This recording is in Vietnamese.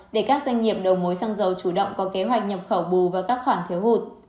để các doanh nghiệp đầu mối xăng dầu chủ động có kế hoạch nhập khẩu bù vào các khoản thiếu hụt